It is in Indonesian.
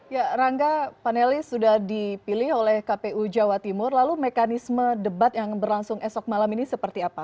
ya rangga panelis sudah dipilih oleh kpu jawa timur lalu mekanisme debat yang berlangsung esok malam ini seperti apa